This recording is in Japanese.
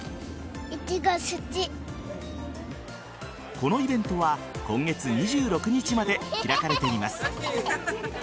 このイベントは今月２６日まで開かれています。